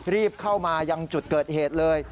รีบเข้ามายังจุดเกิดเหตุเลย